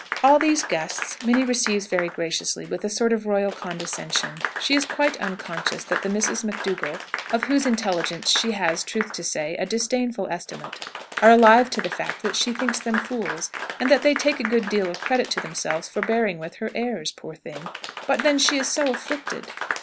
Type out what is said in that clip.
All those guests Minnie receives very graciously, with a sort of royal condescension. She is quite unconscious that the Misses McDougall (of whose intelligence she has, truth to say, a disdainful estimate) are alive to the fact that she thinks them fools, and that they take a good deal of credit to themselves for bearing with her airs, poor thing! But then she is so afflicted!